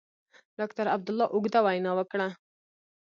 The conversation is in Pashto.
ډاکټر عبدالله اوږده وینا وکړه.